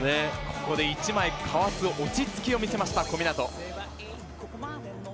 １枚かわす落ち着きを見せました、小湊。